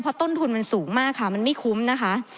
เพราะต้นทุนมันสูงมากค่ะมันไม่คุ้มนะคะ